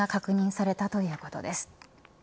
されたということです。